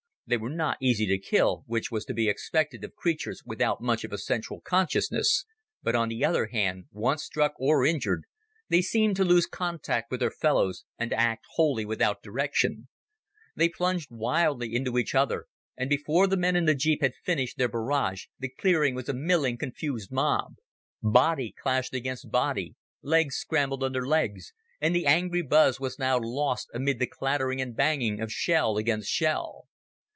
They were not easy to kill which was to be expected of creatures without much of a central consciousness but on the other hand, once struck or injured, they seemed to lose contact with their fellows and to act wholly without direction. They plunged wildly into each other, and before the men in the jeep had finished their barrage, the clearing was a milling, confused mob. Body clashed against body, legs scrambled under legs, and the angry buzz was now lost amid the clattering and banging of shell against shell.